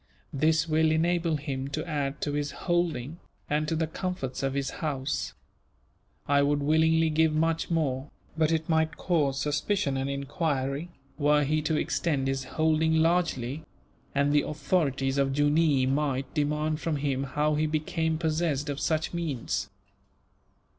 This will enable him to add to his holding, and to the comforts of his house. I would willingly give much more, but it might cause suspicion and enquiry, were he to extend his holding largely; and the authorities of Jooneer might demand from him how he became possessed of such means.